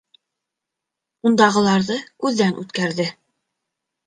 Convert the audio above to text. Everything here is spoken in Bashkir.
Ундағыларҙы күҙҙән үткәрҙе.